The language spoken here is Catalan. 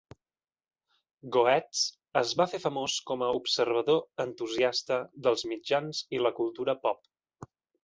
Goetz es va fer famós com a observador entusiasta dels mitjans i la cultura pop.